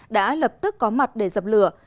đã lập tức có mặt để dập lửa